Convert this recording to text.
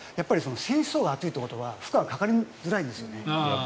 選手層が厚いということは負荷がかかりづらいんですね。